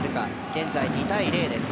現在、２対０です。